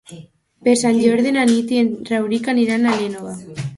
Per Sant Jordi na Nit i en Rauric aniran a l'Énova.